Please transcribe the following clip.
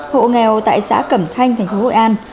hộ nghèo tại xã cẩm thanh tp hội an